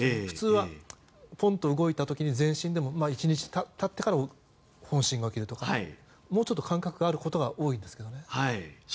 ふつうはポンと動いたときに前震でも１日経ってから、本震が来るとかもうちょっと間隔があることが多いんですけどね。